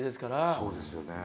そうですよね。